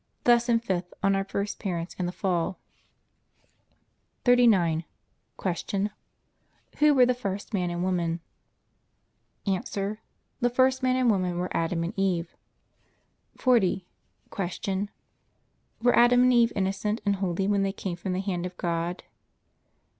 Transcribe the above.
LESSON FIFTH ON OUR FIRST PARENTS AND THE FALL 39. Q. Who were the first man and woman? A. The first man and woman were Adam and Eve. 40. Q. Were Adam and Eve innocent and holy when they came from the hand of God?